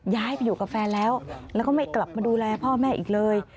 ย้ายไปอยู่กับแฟนแล้วแล้วก็ไม่กลับมาดูแลพ่อแม่อีกเลย